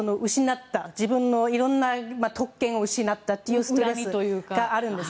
自分のいろんな特権を失ったというストレスがあるんです。